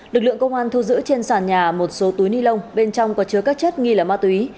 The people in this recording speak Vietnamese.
lực lượng công an thu giữ trên sàn nhà một số túi ni lông bên trong có chứa các chất nghi là ma túy